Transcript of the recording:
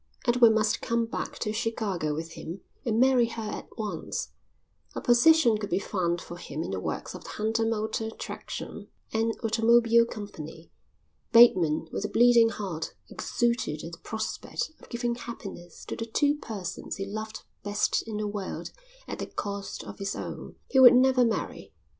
Edward must come back to Chicago with him and marry her at once. A position could be found for him in the works of the Hunter Motor Traction and Automobile Company. Bateman, with a bleeding heart, exulted at the prospect of giving happiness to the two persons he loved best in the world at the cost of his own. He would never marry.